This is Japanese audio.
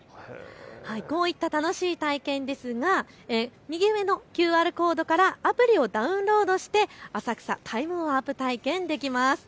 こういった楽しい体験ですが右上のＱＲコードからアプリをダウンロードして浅草タイムワープ体験できます。